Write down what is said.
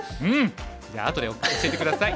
じゃああとで教えて下さい。